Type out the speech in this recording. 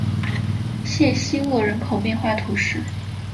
谢西厄人口变化图示